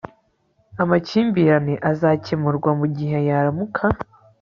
amakimbirane azakemurwa mugihe yaramuka